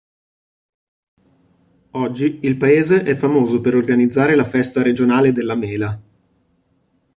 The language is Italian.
Oggi il paese è famoso per organizzare la Festa Regionale della Mela.